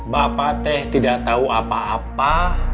bapak teh tidak tahu apa apa